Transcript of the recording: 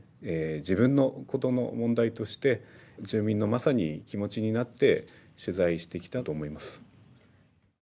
自分のことの問題として住民のまさに気持ちになって取材してきたと思います。